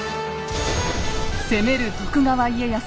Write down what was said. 攻める徳川家康